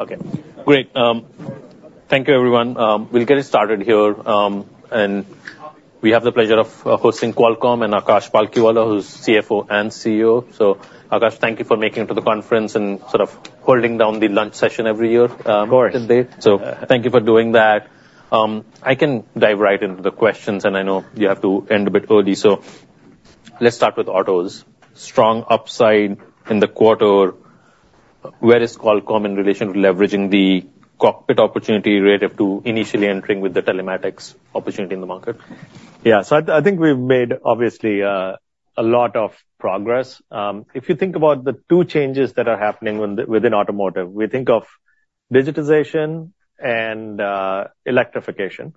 Okay, great. Thank you, everyone. We'll get it started here. And we have the pleasure of hosting Qualcomm and Akash Palkhiwala, who's CFO and COO. So Akash, thank you for making it to the conference and sort of holding down the lunch session every year. Of course. So thank you for doing that. I can dive right into the questions, and I know you have to end a bit early. So let's start with autos. Strong upside in the quarter. Where is Qualcomm in relation to leveraging the cockpit opportunity relative to initially entering with the telematics opportunity in the market? Yeah, so I think we've made, obviously, a lot of progress. If you think about the two changes that are happening within automotive, we think of digitization and electrification,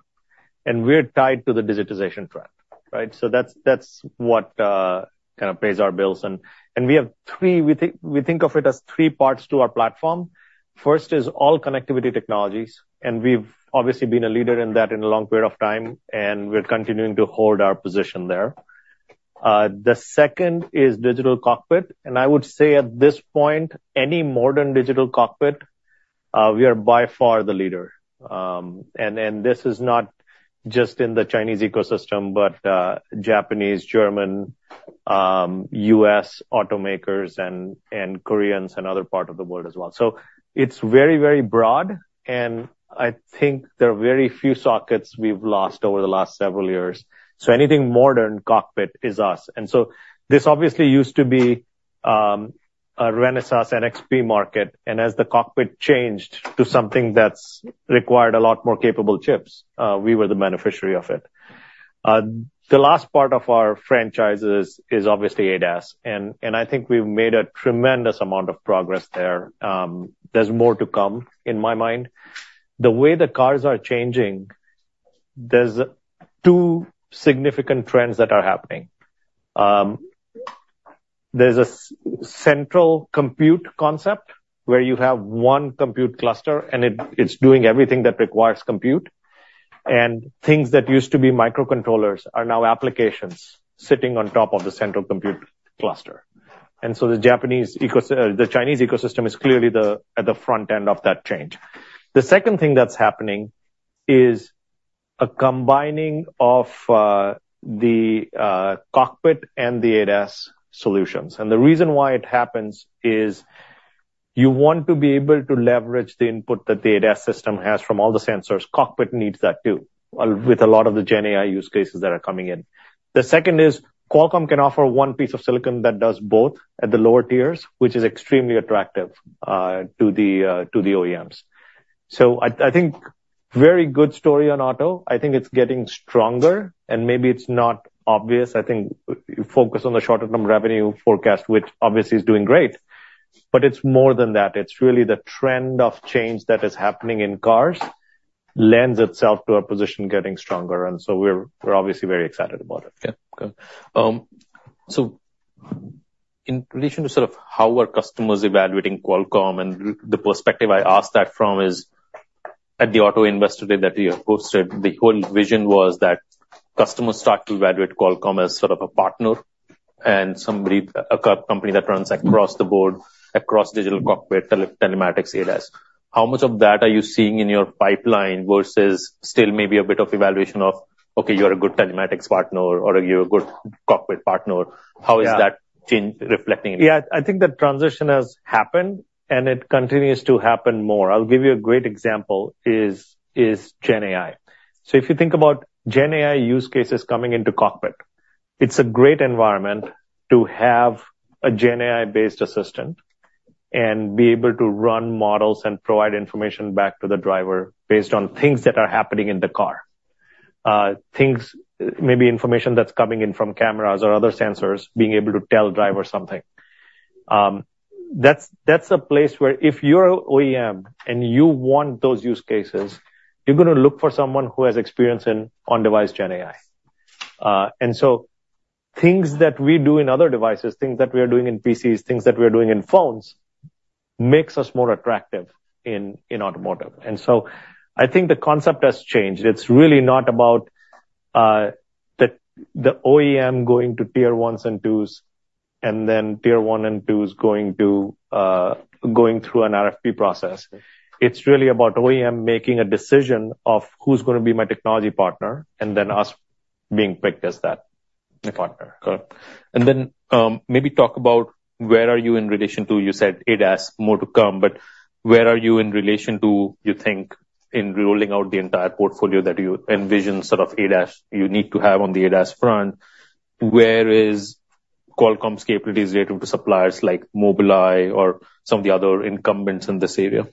and we're tied to the digitization trend, right? So that's what kind of pays our bills. And we have three. We think of it as three parts to our platform. First is all connectivity technologies, and we've obviously been a leader in that in a long period of time, and we're continuing to hold our position there. The second is digital cockpit, and I would say at this point, any modern digital cockpit, we are by far the leader. And this is not just in the Chinese ecosystem, but Japanese, German, U.S. automakers and Koreans and other part of the world as well. So it's very, very broad, and I think there are very few sockets we've lost over the last several years. So anything modern cockpit is us. And so this obviously used to be, a Renesas, NXP market, and as the cockpit changed to something that's required a lot more capable chips, we were the beneficiary of it. The last part of our franchises is obviously ADAS, and, and I think we've made a tremendous amount of progress there. There's more to come, in my mind. The way the cars are changing, there's two significant trends that are happening. There's a central compute concept, where you have one compute cluster, and it, it's doing everything that requires compute. And things that used to be microcontrollers are now applications sitting on top of the central compute cluster. And so the Japanese ecos... The Chinese ecosystem is clearly at the front end of that change. The second thing that's happening is a combining of the cockpit and the ADAS solutions. And the reason why it happens is you want to be able to leverage the input that the ADAS system has from all the sensors. Cockpit needs that, too, with a lot of the GenAI use cases that are coming in. The second is Qualcomm can offer one piece of silicon that does both at the lower tiers, which is extremely attractive to the OEMs. So I think very good story on auto. I think it's getting stronger, and maybe it's not obvious. I think focus on the shorter term revenue forecast, which obviously is doing great, but it's more than that. It's really the trend of change that is happening in cars, lends itself to our position getting stronger, and so we're, we're obviously very excited about it. Yeah. Good. So in relation to sort of how are customers evaluating Qualcomm, and the perspective I ask that from is at the Auto Investor Day that we have hosted, the whole vision was that customers start to evaluate Qualcomm as sort of a partner and somebody, a company that runs across the board, across digital cockpit, telematics, ADAS. How much of that are you seeing in your pipeline versus still maybe a bit of evaluation of, okay, you're a good telematics partner or you're a good cockpit partner? Yeah. How is that change reflecting? Yeah, I think the transition has happened, and it continues to happen more. I'll give you a great example is GenAI. So if you think about GenAI use cases coming into cockpit, it's a great environment to have a GenAI-based assistant and be able to run models and provide information back to the driver based on things that are happening in the car. Things, maybe information that's coming in from cameras or other sensors, being able to tell the driver something. That's a place where if you're OEM and you want those use cases, you're gonna look for someone who has experience in on-device GenAI. And so things that we do in other devices, things that we are doing in PCs, things that we are doing in phones, makes us more attractive in automotive. And so I think the concept has changed. It's really not about the OEM going to Tier 1s and Tier 2s, and then Tier 1s and Tier 2s going through an RFP process. Right. It's really about OEM making a decision of who's gonna be my technology partner, and then us being picked as that- Okay. -partner. Good. And then, maybe talk about where are you in relation to, you said ADAS, more to come, but where are you in relation to, you think, in rolling out the entire portfolio that you envision, sort of, ADAS you need to have on the ADAS front? Where is Qualcomm's capabilities relative to suppliers like Mobileye or some of the other incumbents in this area?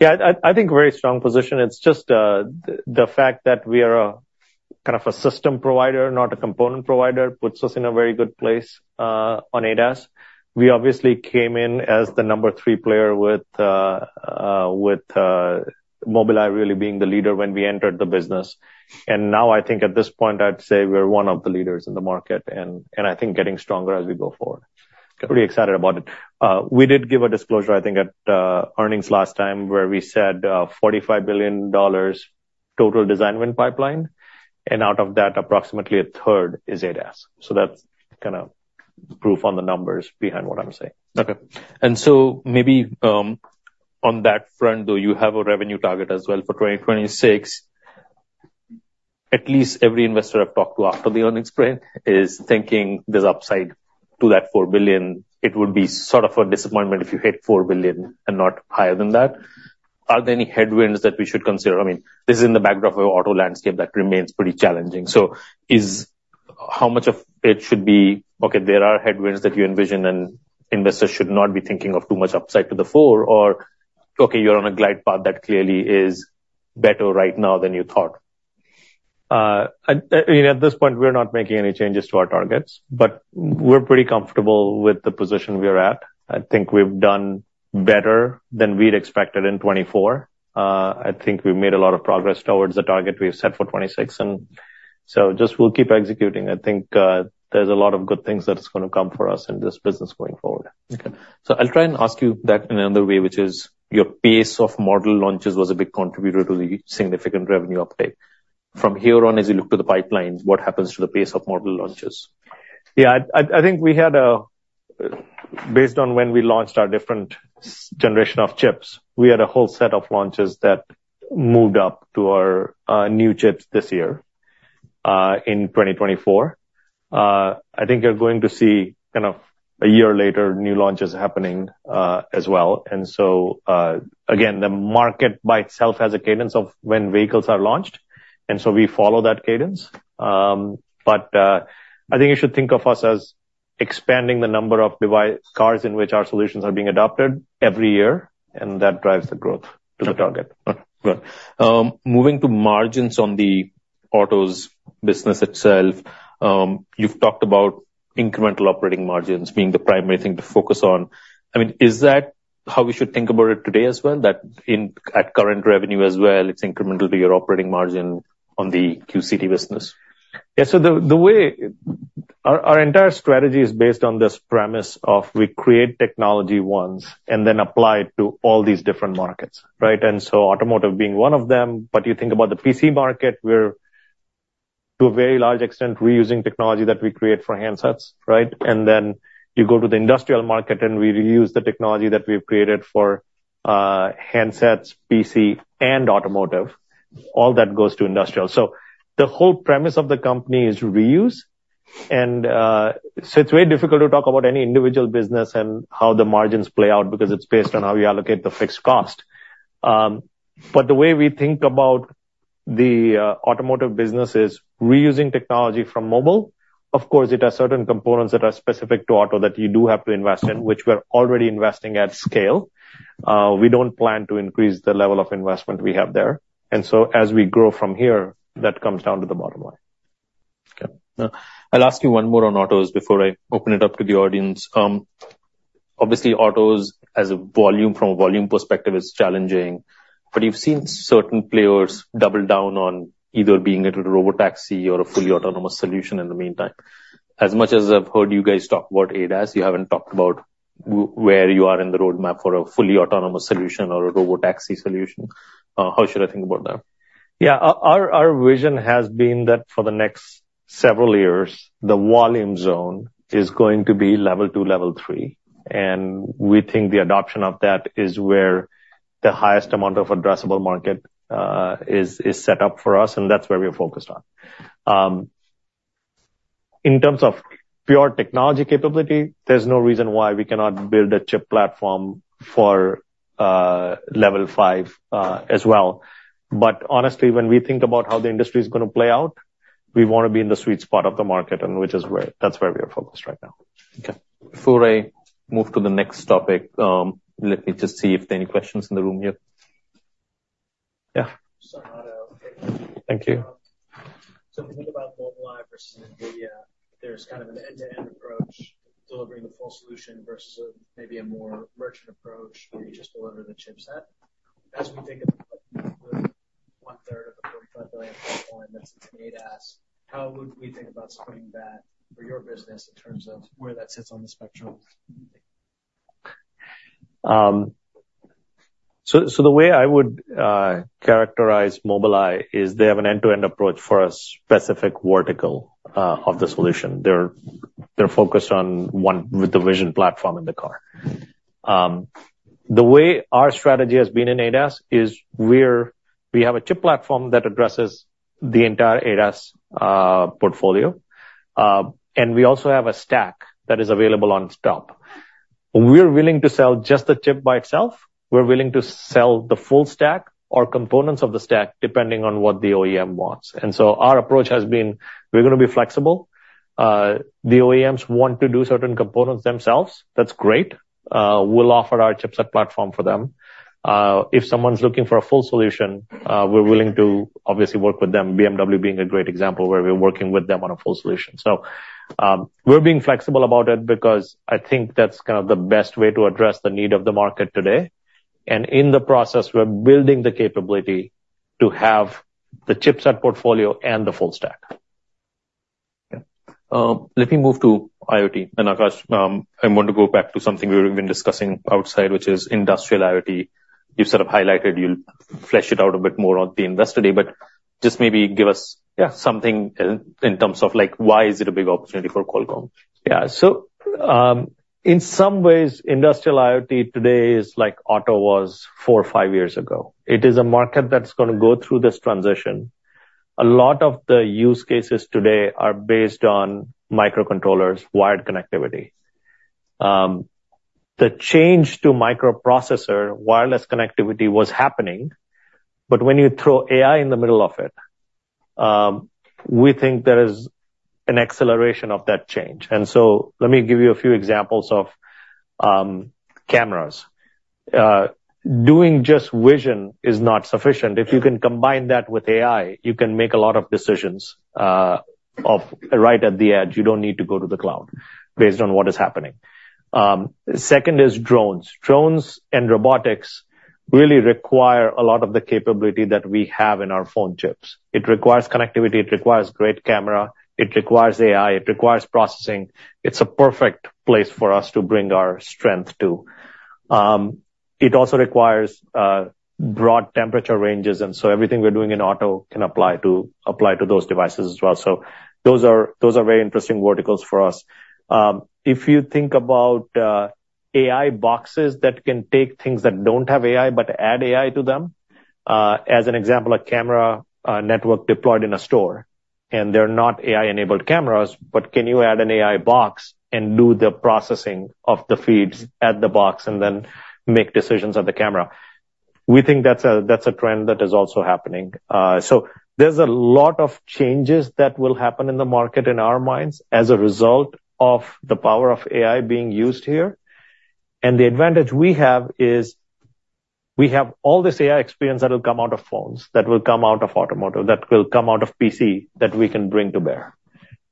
Yeah, I think very strong position. It's just the fact that we are a kind of a system provider, not a component provider, puts us in a very good place on ADAS. We obviously came in as the number three player with Mobileye really being the leader when we entered the business. And now I think at this point, I'd say we're one of the leaders in the market, and I think getting stronger as we go forward. Okay. Pretty excited about it. We did give a disclosure, I think, at earnings last time, where we said, $45 billion total design win pipeline, and out of that, approximately a third is ADAS. So that's kinda proof on the numbers behind what I'm saying. Okay. And so maybe, on that front, though, you have a revenue target as well for 2026. At least every investor I've talked to after the earnings print is thinking there's upside to that $4 billion. It would be sort of a disappointment if you hit $4 billion and not higher than that. Are there any headwinds that we should consider? I mean, this is in the backdrop of an auto landscape that remains pretty challenging. So is how much of it should be, okay, there are headwinds that you envision, and investors should not be thinking of too much upside to the four, or, okay, you're on a glide path that clearly is better right now than you thought? You know, at this point, we're not making any changes to our targets, but we're pretty comfortable with the position we are at. I think we've done better than we'd expected in 2024. I think we've made a lot of progress towards the target we've set for 2026, and so just we'll keep executing. I think, there's a lot of good things that is gonna come for us in this business going forward. Okay. So I'll try and ask you that in another way, which is, your pace of model launches was a big contributor to the significant revenue uptake. From here on, as you look to the pipelines, what happens to the pace of model launches? Yeah, I think we had a—based on when we launched our different generation of chips, we had a whole set of launches that moved up to our new chips this year, in 2024. I think you're going to see kind of a year later, new launches happening, as well. And so, again, the market by itself has a cadence of when vehicles are launched, and so we follow that cadence. But I think you should think of us as expanding the number of cars in which our solutions are being adopted every year, and that drives the growth to the target. Right. Moving to margins on the autos business itself, you've talked about incremental operating margins being the primary thing to focus on. I mean, is that how we should think about it today as well? That in, at current revenue as well, it's incremental to your operating margin on the QCT business. Yeah, so the way... Our entire strategy is based on this premise of we create technology once and then apply it to all these different markets, right? And so automotive being one of them, but you think about the PC market, we're to a very large extent reusing technology that we create for handsets, right? And then you go to the industrial market, and we reuse the technology that we've created for handsets, PC, and automotive. All that goes to industrial. So the whole premise of the company is reuse, and so it's very difficult to talk about any individual business and how the margins play out, because it's based on how we allocate the fixed cost. But the way we think about the automotive business is reusing technology from mobile. Of course, it has certain components that are specific to auto that you do have to invest in, which we're already investing at scale. We don't plan to increase the level of investment we have there. So as we grow from here, that comes down to the bottom line. Okay. Now, I'll ask you one more on autos before I open it up to the audience. Obviously, autos, as a volume, from a volume perspective, is challenging, but you've seen certain players double down on either being it a robotaxi or a fully autonomous solution in the meantime. As much as I've heard you guys talk about ADAS, you haven't talked about where you are in the roadmap for a fully autonomous solution or a robotaxi solution. How should I think about that? Yeah, our vision has been that for the next several years, the volume zone is going to be Level 2, Level 3, and we think the adoption of that is where the highest amount of addressable market is set up for us, and that's where we are focused on. In terms of pure technology capability, there's no reason why we cannot build a chip platform for Level 5 as well. But honestly, when we think about how the industry is gonna play out, we wanna be in the sweet spot of the market, and that's where we are focused right now. Okay. Before I move to the next topic, let me just see if there are any questions in the room here. Yeah.... Thank you. So if you think about Mobileye versus NVIDIA, there's kind of an end-to-end approach, delivering the full solution versus a, maybe a more merchant approach, where you just deliver the chipset. As we think of the one third of the $45 billion point, that's in ADAS, how would we think about splitting that for your business in terms of where that sits on the spectrum? So, so the way I would characterize Mobileye is they have an end-to-end approach for a specific vertical of the solution. They're focused on one with the vision platform in the car. The way our strategy has been in ADAS is we have a chip platform that addresses the entire ADAS portfolio, and we also have a stack that is available on top. We're willing to sell just the chip by itself. We're willing to sell the full stack or components of the stack, depending on what the OEM wants. And so our approach has been, we're gonna be flexible. The OEMs want to do certain components themselves, that's great. We'll offer our chipset platform for them. If someone's looking for a full solution, we're willing to obviously work with them, BMW being a great example, where we're working with them on a full solution. We're being flexible about it because I think that's kind of the best way to address the need of the market today. In the process, we're building the capability to have the chipset portfolio and the full stack. Yeah. Let me move to IoT. And Akash, I want to go back to something we've been discussing outside, which is industrial IoT.... You've sort of highlighted, you'll flesh it out a bit more on the Investor Day, but just maybe give us- Yeah. In terms of, like, why is it a big opportunity for Qualcomm? Yeah. So, in some ways, industrial IoT today is like auto was four or five years ago. It is a market that's gonna go through this transition. A lot of the use cases today are based on microcontrollers, wired connectivity. The change to microprocessor wireless connectivity was happening, but when you throw AI in the middle of it, we think there is an acceleration of that change. So let me give you a few examples of cameras. Doing just vision is not sufficient. If you can combine that with AI, you can make a lot of decisions right at the edge. You don't need to go to the cloud, based on what is happening. Second is drones. Drones and robotics really require a lot of the capability that we have in our phone chips. It requires connectivity, it requires great camera, it requires AI, it requires processing. It's a perfect place for us to bring our strength to. It also requires broad temperature ranges, and so everything we're doing in auto can apply to those devices as well. So those are very interesting verticals for us. If you think about AI boxes that can take things that don't have AI, but add AI to them, as an example, a camera network deployed in a store, and they're not AI-enabled cameras, but can you add an AI box and do the processing of the feeds at the box and then make decisions on the camera? We think that's a trend that is also happening. So there's a lot of changes that will happen in the market, in our minds, as a result of the power of AI being used here. And the advantage we have is, we have all this AI experience that will come out of phones, that will come out of automotive, that will come out of PC, that we can bring to bear.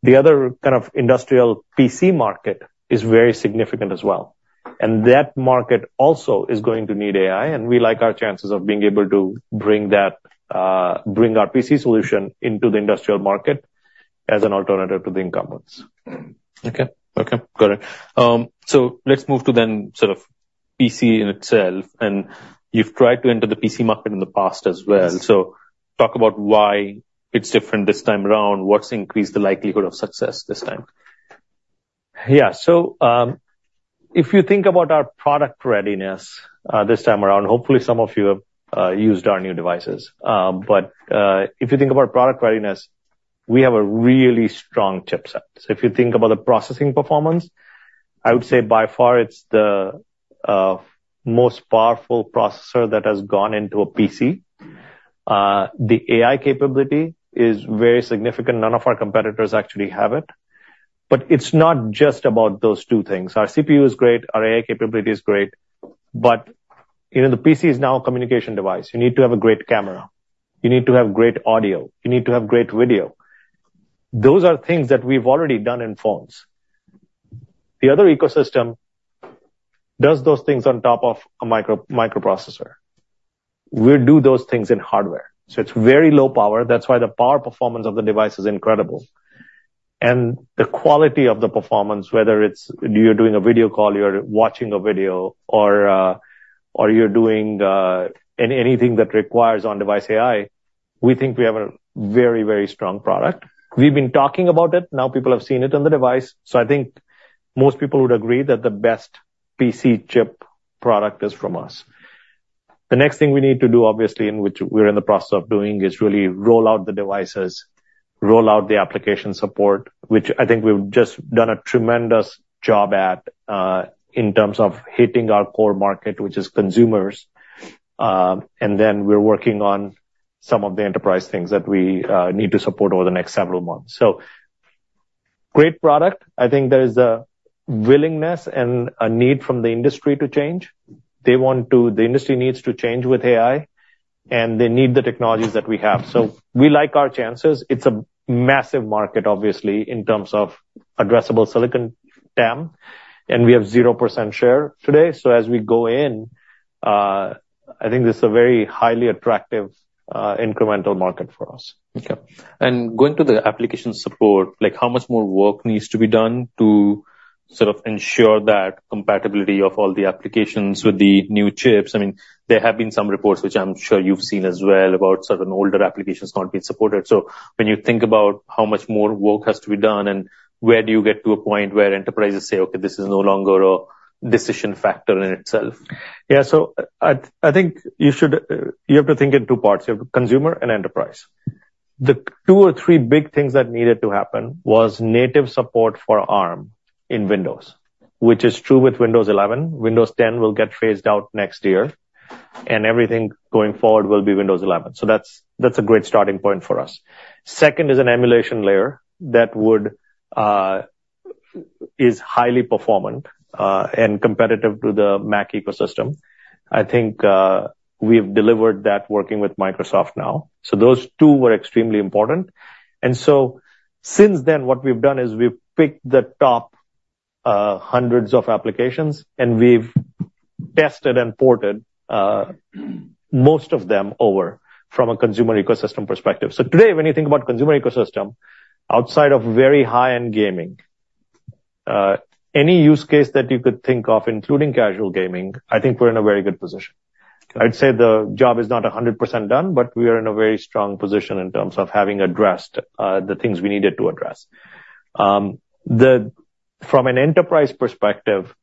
The other kind of industrial PC market is very significant as well, and that market also is going to need AI, and we like our chances of being able to bring that, bring our PC solution into the industrial market as an alternative to the incumbents. Okay. Okay, got it. So let's move to then sort of PC in itself. And you've tried to enter the PC market in the past as well. Yes. Talk about why it's different this time around. What's increased the likelihood of success this time? Yeah. So, if you think about our product readiness, this time around, hopefully, some of you have used our new devices. But, if you think about product readiness, we have a really strong chipset. So if you think about the processing performance, I would say by far it's the most powerful processor that has gone into a PC. The AI capability is very significant. None of our competitors actually have it. But it's not just about those two things. Our CPU is great, our AI capability is great, but, you know, the PC is now a communication device. You need to have a great camera, you need to have great audio, you need to have great video. Those are things that we've already done in phones. The other ecosystem does those things on top of a microprocessor. We do those things in hardware, so it's very low power. That's why the power performance of the device is incredible. And the quality of the performance, whether it's you're doing a video call, you're watching a video, or you're doing anything that requires on-device AI, we think we have a very, very strong product. We've been talking about it, now people have seen it on the device, so I think most people would agree that the best PC chip product is from us. The next thing we need to do, obviously, in which we're in the process of doing, is really roll out the devices, roll out the application support, which I think we've just done a tremendous job at in terms of hitting our core market, which is consumers. And then we're working on some of the enterprise things that we need to support over the next several months. So, great product. I think there's a willingness and a need from the industry to change. The industry needs to change with AI, and they need the technologies that we have. So we like our chances. It's a massive market, obviously, in terms of addressable silicon TAM, and we have 0% share today. So as we go in, I think this is a very highly attractive incremental market for us. Okay. And going to the application support, like, how much more work needs to be done to sort of ensure that compatibility of all the applications with the new chips? I mean, there have been some reports, which I'm sure you've seen as well, about certain older applications not being supported. So when you think about how much more work has to be done, and where do you get to a point where enterprises say, "Okay, this is no longer a decision factor in itself? Yeah. So I, I think you should, you have to think in two parts: you have consumer and enterprise. The two or three big things that needed to happen was native support for ARM in Windows, which is true with Windows 11. Windows 10 will get phased out next year, and everything going forward will be Windows 11, so that's, that's a great starting point for us. Second is an emulation layer that would, is highly performant, and competitive to the MAC ecosystem. I think, we've delivered that working with Microsoft now. So those two were extremely important. And so since then, what we've done is we've picked the top hundreds of applications, and we've tested and ported, most of them over, from a consumer ecosystem perspective. So today, when you think about consumer ecosystem, outside of very high-end gaming-... Any use case that you could think of, including casual gaming, I think we're in a very good position. I'd say the job is not 100% done, but we are in a very strong position in terms of having addressed the things we needed to address. From an enterprise perspective,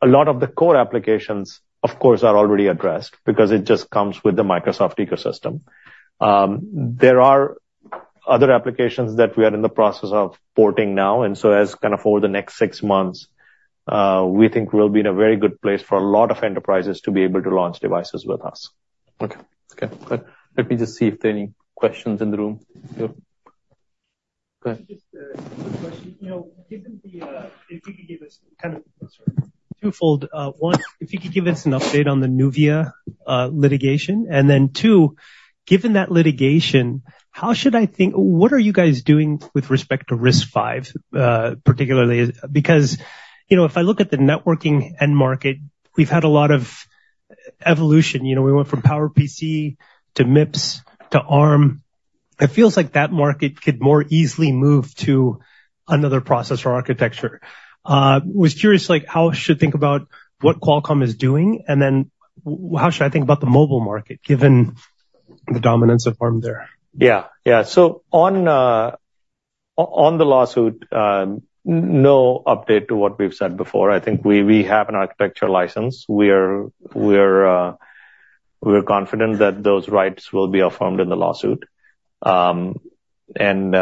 a lot of the core applications, of course, are already addressed because it just comes with the Microsoft ecosystem. There are other applications that we are in the process of porting now, and so as, kind of, over the next six months, we think we'll be in a very good place for a lot of enterprises to be able to launch devices with us. Okay. Okay, good. Let me just see if there are any questions in the room. Yep. Go ahead. Just a quick question. You know, given the, if you could give us kind of, sorry, twofold. One, if you could give us an update on the Nuvia litigation. And then, two, given that litigation, how should I think—What are you guys doing with respect to RISC-V, particularly? Because, you know, if I look at the networking end market, we've had a lot of evolution. You know, we went from PowerPC, to MIPS, to ARM. It feels like that market could more easily move to another processor architecture. Was curious, like, how I should think about what Qualcomm is doing, and then how should I think about the mobile market, given the dominance of ARM there? Yeah. Yeah. So on the lawsuit, no update to what we've said before. I think we have an architectural license. We're confident that those rights will be affirmed in the lawsuit. And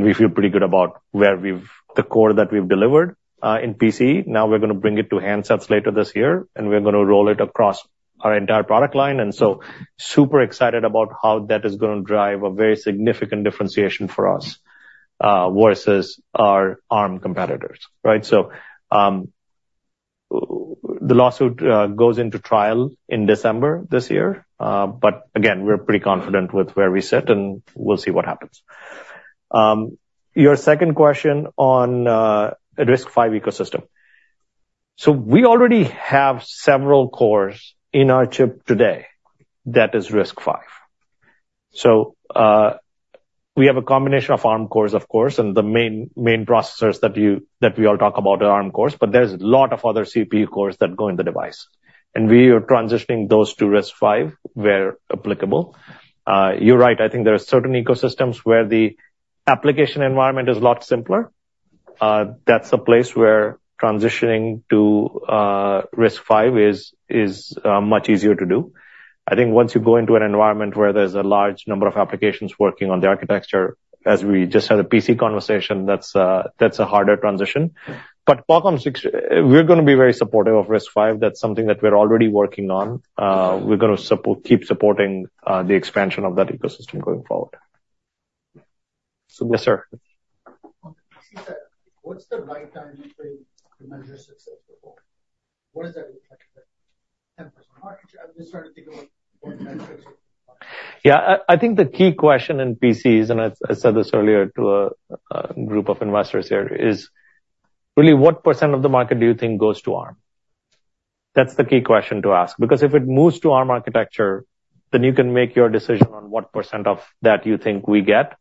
we feel pretty good about where we've the core that we've delivered in PC. Now, we're gonna bring it to handsets later this year, and we're gonna roll it across our entire product line, and so super excited about how that is gonna drive a very significant differentiation for us versus our ARM competitors, right? So the lawsuit goes into trial in December this year. But again, we're pretty confident with where we sit, and we'll see what happens. Your second question on the RISC-V ecosystem. So we already have several cores in our chip today that is RISC-V. So, we have a combination of ARM cores, of course, and the main, main processors that you, that we all talk about are ARM cores, but there's a lot of other CPU cores that go in the device, and we are transitioning those to RISC-V, where applicable. You're right, I think there are certain ecosystems where the application environment is a lot simpler. That's a place where transitioning to RISC-V is much easier to do. I think once you go into an environment where there's a large number of applications working on the architecture, as we just had a PC conversation, that's a harder transition. But Qualcomm, we're gonna be very supportive of RISC-V. That's something that we're already working on. We're gonna support keep supporting the expansion of that ecosystem going forward. So, yes, sir. What's the right time frame to measure success before? What does that look like? 10% market share. I'm just trying to think of what metrics Yeah, I think the key question in PCs, and I said this earlier to a group of investors here, is really what percent of the market do you think goes to ARM? That's the key question to ask, because if it moves to ARM architecture, then you can make your decision on what percent of that you think we get.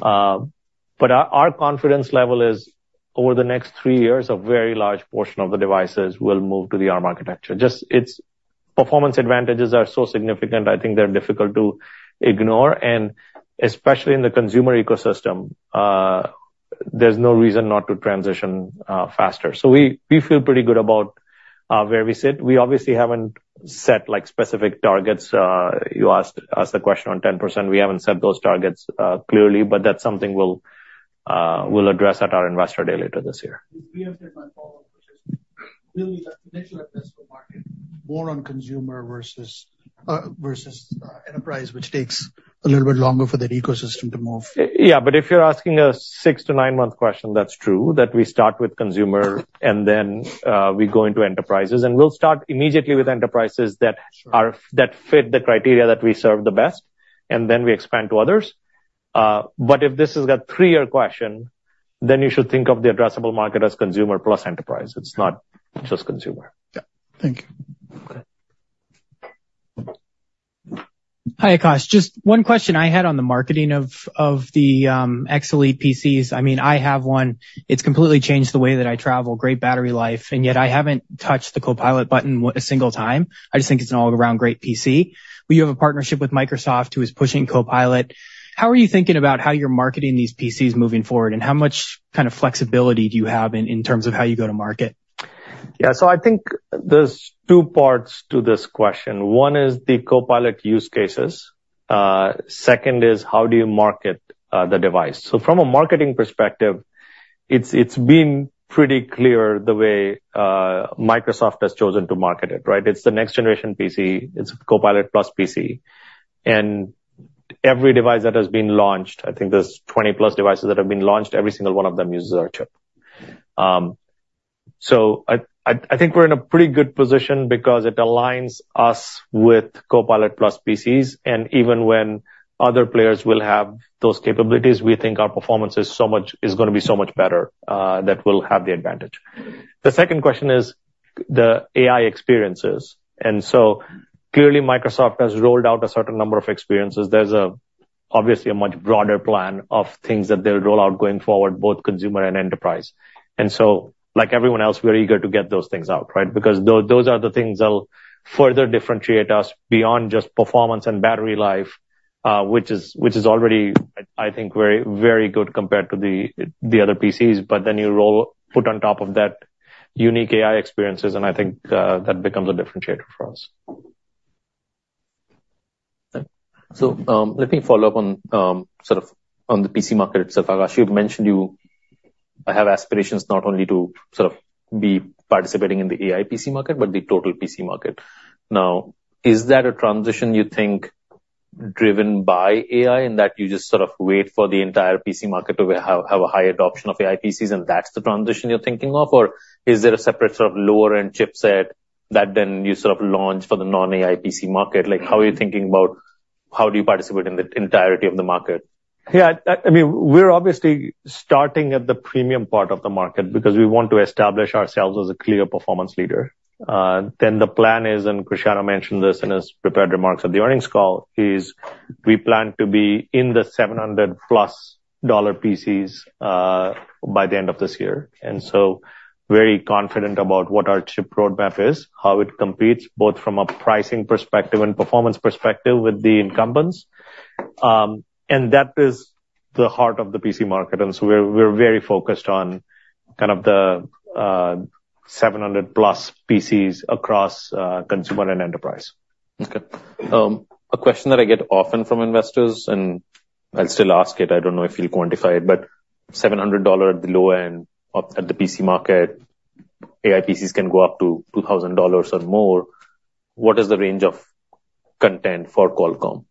But our confidence level is over the next three years, a very large portion of the devices will move to the ARM architecture. Just its performance advantages are so significant, I think they're difficult to ignore, and especially in the consumer ecosystem, there's no reason not to transition faster. So we feel pretty good about where we sit. We obviously haven't set, like, specific targets. You asked the question on 10%. We haven't set those targets clearly, but that's something we'll address at our Investor Day later this year. We have said my follow-up, which is really the potential addressable market, more on consumer versus enterprise, which takes a little bit longer for that ecosystem to move. Yeah, but if you're asking a six-to-nine-month question, that's true, that we start with consumer, and then, we go into enterprises. And we'll start immediately with enterprises that are- Sure. that fit the criteria that we serve the best, and then we expand to others. But if this is a three-year question, then you should think of the addressable market as consumer plus enterprise. It's not just consumer. Yeah. Thank you. Okay. Hi, Akash. Just one question I had on the marketing of the X Elite PCs. I mean, I have one. It's completely changed the way that I travel, great battery life, and yet I haven't touched the Copilot button with a single time. I just think it's an all-around great PC. But you have a partnership with Microsoft, who is pushing Copilot. How are you thinking about how you're marketing these PCs moving forward, and how much kind of flexibility do you have in terms of how you go to market? Yeah, so I think there's two parts to this question. One is the Copilot use cases. Second is, how do you market the device? So from a marketing perspective, it's been pretty clear the way Microsoft has chosen to market it, right? It's the next generation PC, it's Copilot+ PC. And every device that has been launched, I think there's 20+ devices that have been launched, every single one of them uses our chip. So I think we're in a pretty good position because it aligns us with Copilot+ PCs, and even when other players will have those capabilities, we think our performance is so much-- is gonna be so much better, that we'll have the advantage. The second question is the AI experiences. And so clearly, Microsoft has rolled out a certain number of experiences. There's a-... Obviously, a much broader plan of things that they'll roll out going forward, both consumer and enterprise. And so, like everyone else, we are eager to get those things out, right? Because those are the things that'll further differentiate us beyond just performance and battery life, which is, which is already, I think, very, very good compared to the other PCs. But then you put on top of that unique AI experiences, and I think that becomes a differentiator for us. So, let me follow up on, sort of on the PC market itself. Akash, you've mentioned you have aspirations not only to sort of be participating in the AI PC market, but the total PC market. Now, is that a transition you think driven by AI, in that you just sort of wait for the entire PC market to have a high adoption of AI PCs, and that's the transition you're thinking of? Or is there a separate sort of lower-end chipset that then you sort of launch for the non-AI PC market? Like, how are you thinking about how do you participate in the entirety of the market? Yeah, I mean, we're obviously starting at the premium part of the market, because we want to establish ourselves as a clear performance leader. Then the plan is, and Cristiano mentioned this in his prepared remarks at the earnings call, is we plan to be in the $700+ PCs, by the end of this year. And so very confident about what our chip roadmap is, how it competes, both from a pricing perspective and performance perspective with the incumbents. And that is the heart of the PC market, and so we're very focused on kind of the $700+ PCs across, consumer and enterprise. Okay. A question that I get often from investors, and I'll still ask it, I don't know if you'll quantify it, but $700 at the low end at the PC market, AI PCs can go up to $2,000 or more. What is the range of content for Qualcomm?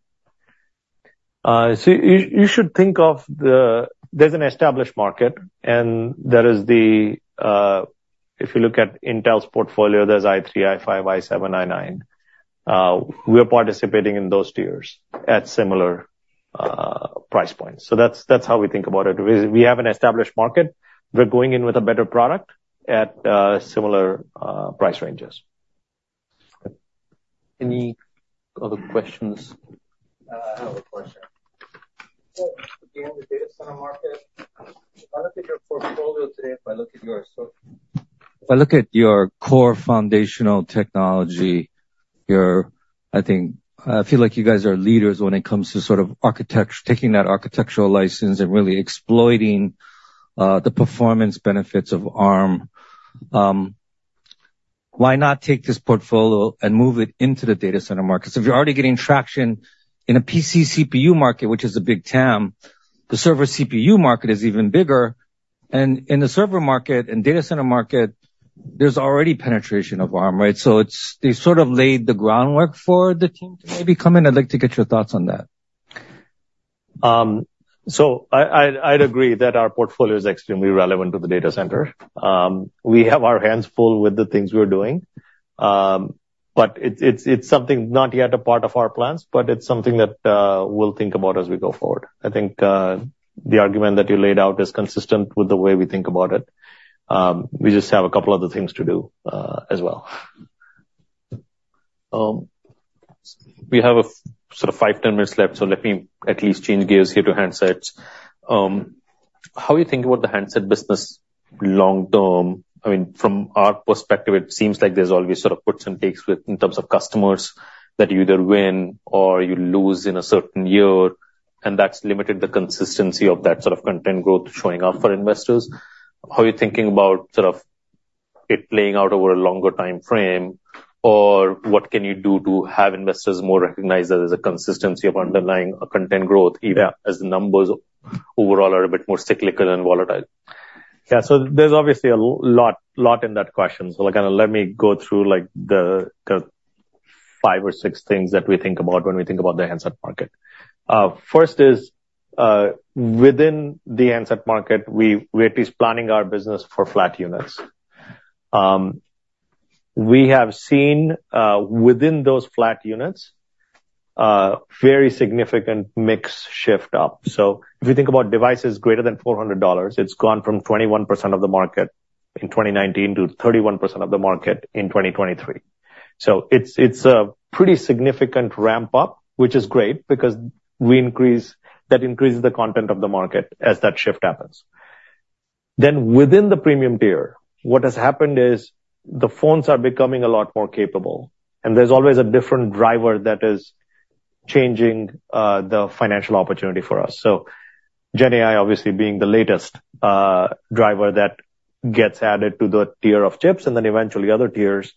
So you should think of the—there's an established market, and there is the, if you look at Intel's portfolio, there's i3, i5, i7, i9. We are participating in those tiers at similar price points. So that's how we think about it. We have an established market. We're going in with a better product at similar price ranges. Any other questions? I have a question. So in the data center market, a lot of your portfolio today, if I look at your... So if I look at your core foundational technology, your, I think-- I feel like you guys are leaders when it comes to sort of taking that architectural license and really exploiting, the performance benefits of ARM. Why not take this portfolio and move it into the data center market? So if you're already getting traction in a PC CPU market, which is a big TAM, the server CPU market is even bigger, and in the server market and data center market, there's already penetration of ARM, right? So it's-- you sort of laid the groundwork for the team to maybe come in. I'd like to get your thoughts on that. So I'd agree that our portfolio is extremely relevant to the data center. We have our hands full with the things we're doing. But it's something not yet a part of our plans, but it's something that we'll think about as we go forward. I think the argument that you laid out is consistent with the way we think about it. We just have a couple other things to do as well. We have a sort of 5 minutes, 10 minutes left, so let me at least change gears here to handsets. How are you thinking about the handset business long term? I mean, from our perspective, it seems like there's always sort of puts and takes within terms of customers, that you either win or you lose in a certain year, and that's limited the consistency of that sort of content growth showing up for investors. How are you thinking about sort of it playing out over a longer time frame? Or what can you do to have investors more recognize that there's a consistency of underlying content growth, even as the numbers overall are a bit more cyclical and volatile? Yeah, so there's obviously a lot in that question. So, like, kind of let me go through, like, the five or six things that we think about when we think about the handset market. First is, within the handset market, we're at least planning our business for flat units. We have seen, within those flat units, very significant mix shift up. So if you think about devices greater than $400, it's gone from 21% of the market in 2019 to 31% of the market in 2023. So it's a pretty significant ramp up, which is great, because we increase--that increases the content of the market as that shift happens. Then within the premium tier, what has happened is the phones are becoming a lot more capable, and there's always a different driver that is changing the financial opportunity for us. So GenAI obviously being the latest driver that gets added to the tier of chips and then eventually other tiers,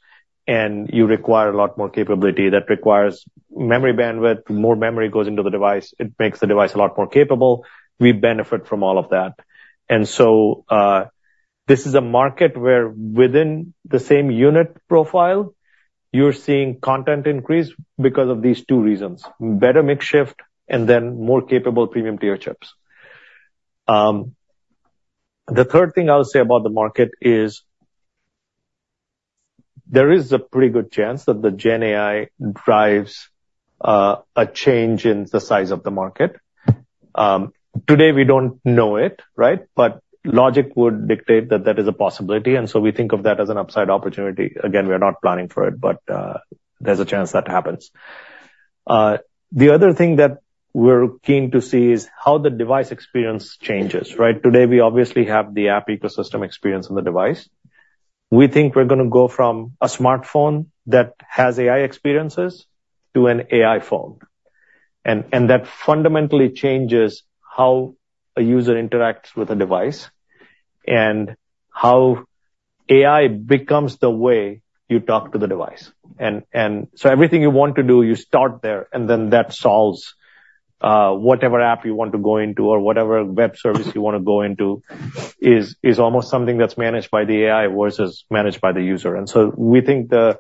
and you require a lot more capability. That requires memory bandwidth. More memory goes into the device. It makes the device a lot more capable. We benefit from all of that. And so, this is a market where within the same unit profile, you're seeing content increase because of these two reasons: better mix shift and then more capable premium tier chips. The third thing I'll say about the market is, there is a pretty good chance that the GenAI drives a change in the size of the market.... Today, we don't know it, right? But logic would dictate that that is a possibility, and so we think of that as an upside opportunity. Again, we are not planning for it, but, there's a chance that happens. The other thing that we're keen to see is how the device experience changes, right? Today, we obviously have the app ecosystem experience on the device. We think we're gonna go from a smartphone that has AI experiences to an AI phone. And that fundamentally changes how a user interacts with a device and how AI becomes the way you talk to the device. And so everything you want to do, you start there, and then that solves whatever app you want to go into or whatever web service you want to go into, is almost something that's managed by the AI versus managed by the user. And so we think the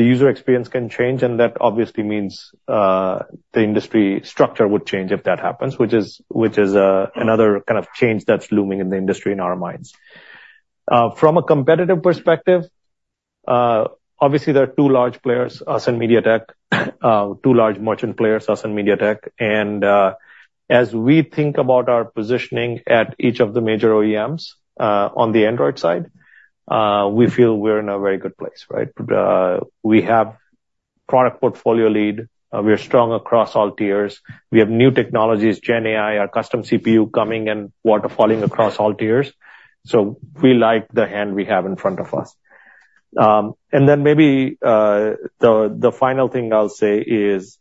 user experience can change, and that obviously means the industry structure would change if that happens, which is another kind of change that's looming in the industry, in our minds. From a competitive perspective, obviously, there are two large players, us and MediaTek, two large merchant players, us and MediaTek. And as we think about our positioning at each of the major OEMs, on the Android side, we feel we're in a very good place, right? We have product portfolio lead. We are strong across all tiers. We have new technologies, GenAI, our custom CPU coming and waterfalling across all tiers, so we like the hand we have in front of us. And then maybe, the final thing I'll say is,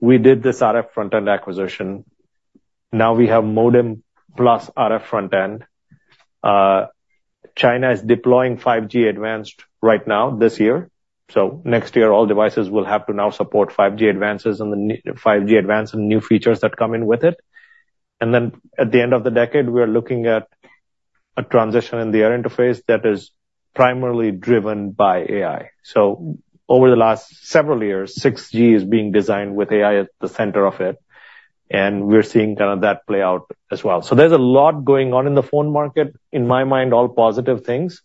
we did this RF Front-End acquisition. Now we have modem plus RF Front-End. China is deploying 5G Advanced right now, this year, so next year, all devices will have to now support 5G Advanced and the 5G Advanced and new features that come in with it. And then, at the end of the decade, we are looking at a transition in the air interface that is primarily driven by AI. So over the last several years, 6G is being designed with AI at the center of it, and we're seeing kind of that play out as well. So there's a lot going on in the phone market, in my mind, all positive things.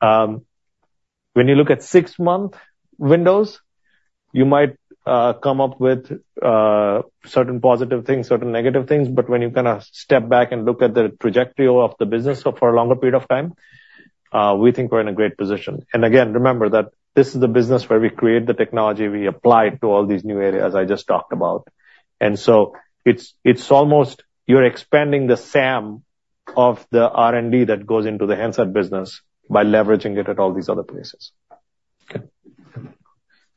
When you look at six-month windows, you might come up with certain positive things, certain negative things, but when you kind of step back and look at the trajectory of the business so for a longer period of time, we think we're in a great position. And again, remember that this is the business where we create the technology, we apply it to all these new areas I just talked about. And so it's, it's almost you're expanding the SAM of the R&D that goes into the handset business by leveraging it at all these other places. Okay.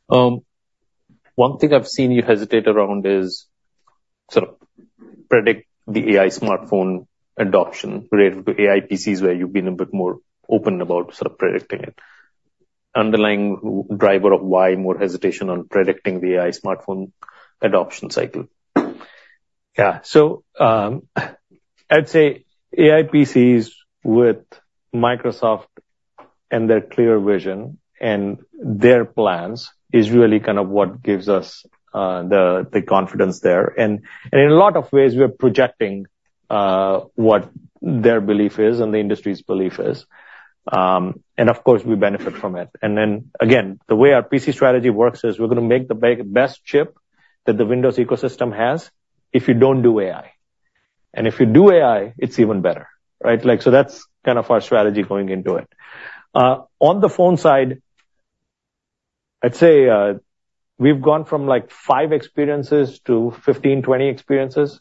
One thing I've seen you hesitate around is sort of predict the AI smartphone adoption relative to AI PCs, where you've been a bit more open about sort of predicting it. Underlying driver of why more hesitation on predicting the AI smartphone adoption cycle? Yeah. So, I'd say AI PCs with Microsoft and their clear vision and their plans is really kind of what gives us the confidence there. And in a lot of ways, we're projecting what their belief is and the industry's belief is. And, of course, we benefit from it. And then, again, the way our PC strategy works is we're gonna make the best chip that the Windows ecosystem has, if you don't do AI. And if you do AI, it's even better, right? Like, so that's kind of our strategy going into it. On the phone side, I'd say we've gone from, like, 5 experiences to 15, 20 experiences.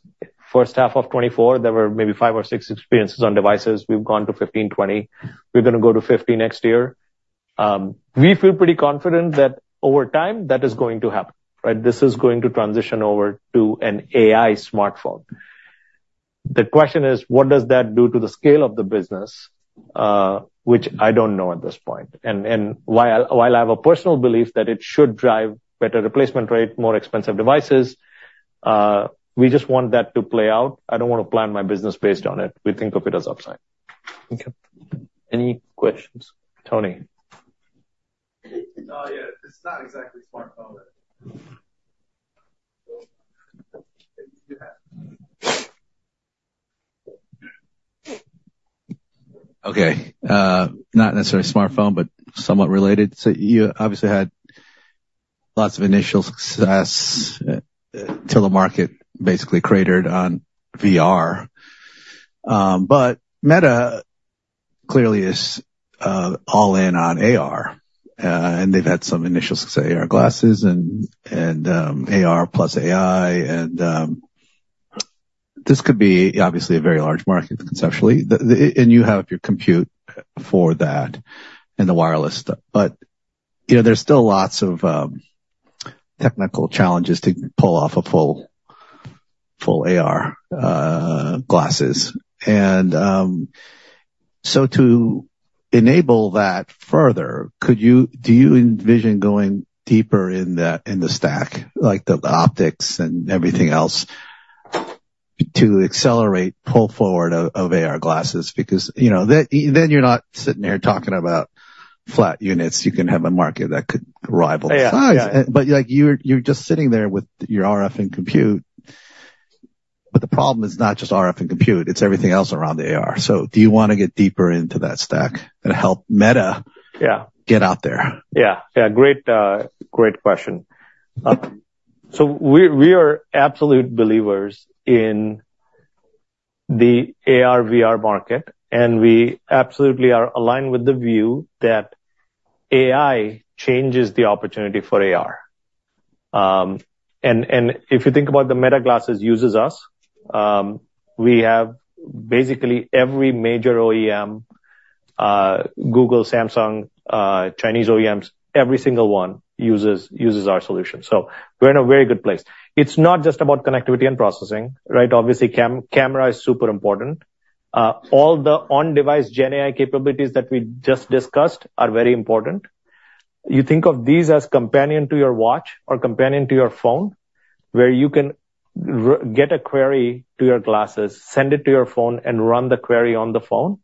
First half of 2024, there were maybe 5 or 6 experiences on devices. We've gone to 15, 20. We're gonna go to 50 next year. We feel pretty confident that over time, that is going to happen, right? This is going to transition over to an AI smartphone. The question is: What does that do to the scale of the business? Which I don't know at this point. And while I have a personal belief that it should drive better replacement rate, more expensive devices, we just want that to play out. I don't want to plan my business based on it. We think of it as upside. Okay. Any questions? Tony. Oh, yeah. It's not exactly smartphone. Okay, you have... Okay, not necessarily smartphone, but somewhat related. So you obviously had lots of initial success, till the market basically cratered on VR. But Meta clearly is all in on AR, and they've had some initial success, AR glasses and, AR+ AI, and, this could be obviously a very large market conceptually. And you have your compute for that and the wireless stuff. But, you know, there's still lots of technical challenges to pull off a full, full AR glasses. And, so to enable that further, could you-- do you envision going deeper in the, in the stack, like the optics and everything else, to accelerate pull forward of, of AR glasses? Because, you know, then you're not sitting here talking about flat units. You can have a market that could rival size. Yeah, yeah. But, like, you're, you're just sitting there with your RF and compute... The problem is not just RF and compute, it's everything else around the AR. So do you wanna get deeper into that stack and help Meta- Yeah. get out there? Yeah. Yeah, great, great question. So we are absolute believers in the AR/VR market, and we absolutely are aligned with the view that AI changes the opportunity for AR. And if you think about the Meta glasses uses us, we have basically every major OEM, Google, Samsung, Chinese OEMs, every single one uses our solution, so we're in a very good place. It's not just about connectivity and processing, right? Obviously, camera is super important. All the on-device GenAI capabilities that we just discussed are very important. You think of these as companion to your watch or companion to your phone, where you can get a query to your glasses, send it to your phone, and run the query on the phone.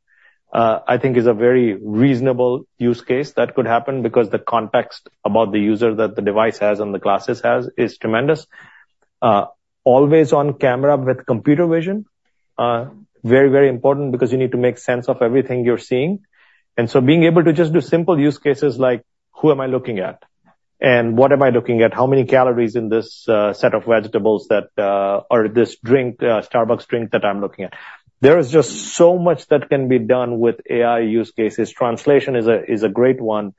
I think is a very reasonable use case that could happen because the context about the user that the device has and the glasses has is tremendous. Always on camera with computer vision, very, very important because you need to make sense of everything you're seeing. And so being able to just do simple use cases like, "Who am I looking at? And what am I looking at? How many calories in this set of vegetables that or this drink, Starbucks drink that I'm looking at?" There is just so much that can be done with AI use cases. Translation is a great one.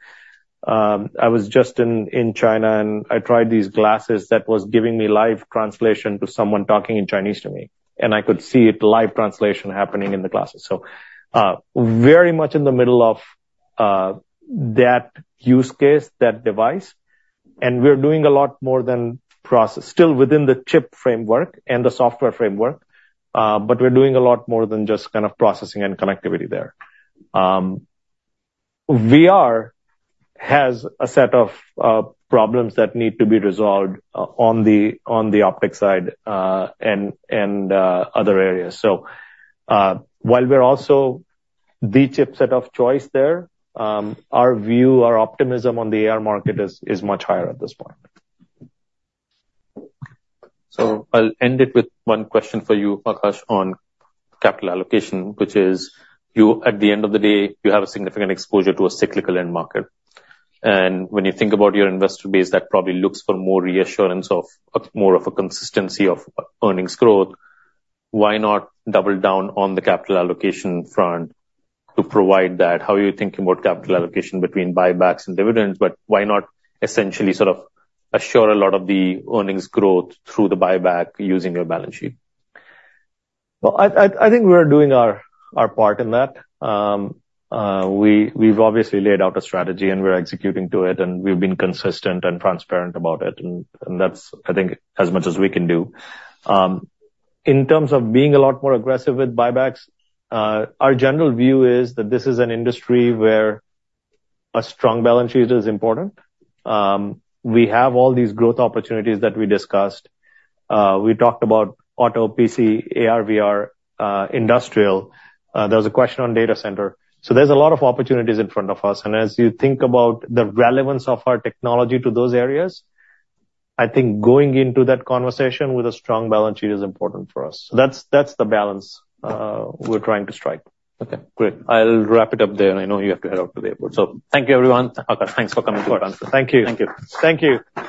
I was just in China, and I tried these glasses that was giving me live translation to someone talking in Chinese to me, and I could see the live translation happening in the glasses. So, very much in the middle of that use case, that device, and we're doing a lot more than process, still within the chip framework and the software framework, but we're doing a lot more than just kind of processing and connectivity there. VR has a set of problems that need to be resolved on the optics side, and other areas. So, while we're also the chipset of choice there, our view, our optimism on the AR market is much higher at this point. So I'll end it with one question for you, Akash, on capital allocation, which is you—at the end of the day, you have a significant exposure to a cyclical end market. And when you think about your investor base, that probably looks for more reassurance of, of more of a consistency of earnings growth, why not double down on the capital allocation front to provide that? How are you thinking about capital allocation between buybacks and dividends, but why not essentially sort of assure a lot of the earnings growth through the buyback using your balance sheet? Well, I think we're doing our part in that. We've obviously laid out a strategy, and we're executing to it, and we've been consistent and transparent about it, and that's, I think, as much as we can do. In terms of being a lot more aggressive with buybacks, our general view is that this is an industry where a strong balance sheet is important. We have all these growth opportunities that we discussed. We talked about auto, PC, AR/VR, industrial. There was a question on data center. So there's a lot of opportunities in front of us, and as you think about the relevance of our technology to those areas, I think going into that conversation with a strong balance sheet is important for us. So that's the balance we're trying to strike. Okay, great. I'll wrap it up there. I know you have to head out to the airport. So thank you, everyone. Akash, thanks for coming to answer. Thank you. Thank you. Thank you.